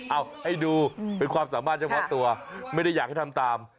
เอาให้ดูเป็นความสามารถเฉพาะตัวไม่ได้อยากให้ทำตาม